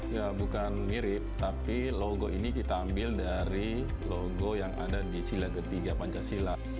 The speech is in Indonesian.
ya bukan mirip tapi logo ini kita ambil dari logo yang ada di sila ketiga pancasila